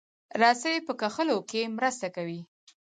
رسۍ په کښلو کې مرسته کوي.